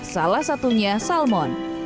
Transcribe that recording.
salah satunya salmon